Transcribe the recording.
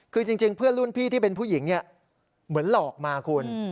คือจริงเพื่อนรุ่นพี่ที่เป็นผู้หญิงเนี่ยเหมือนหลอกมาคุณ